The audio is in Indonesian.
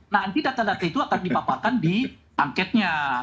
nanti data data itu akan dipaparkan di angketnya